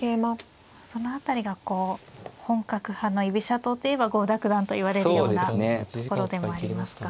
その辺りが本格派の居飛車党といえば郷田九段といわれるようなところでもありますか。